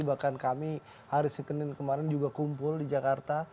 bahkan kami hari senin kemarin juga kumpul di jakarta